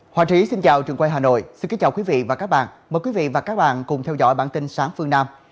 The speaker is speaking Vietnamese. hòa trí xin chào trường quay hà nội xin kính chào quý vị và các bạn mời quý vị và các bạn cùng theo dõi bản tin sáng phương nam